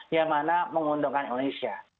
yang mana menguntungkan indonesia